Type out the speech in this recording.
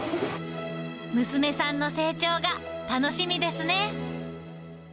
娘さんの成長が、楽しみですね。